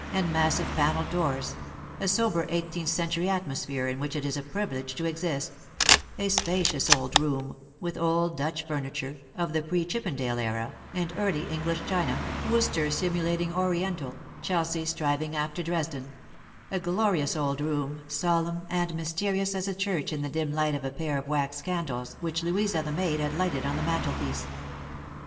145 and massive panelled doors, a sober eighteenth century atmo sphere in which it is a privilege to exist a spacious old room, with old Dutch furniture, of the pre Chippendale era, and Early English china, Worcester simulating Oriental, Chelsea striving after Dresden : a glorious old room, solemn and mysterious as a church in the dim light of a pair of wax candles which Louisa the maid had lighted on the mantelpiece.